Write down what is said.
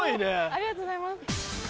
ありがとうございます。